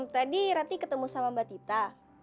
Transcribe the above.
tadi rati ketemu sama mbak tita